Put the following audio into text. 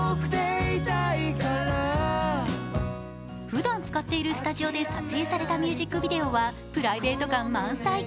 ふだん使っているスタジオで撮影されたミュージックビデオはプライベート感満載。